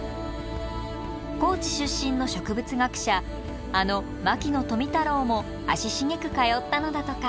高知出身の植物学者あの牧野富太郎も足しげく通ったのだとか。